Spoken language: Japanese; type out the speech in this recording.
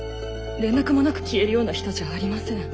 連絡もなく消えるような人じゃありません。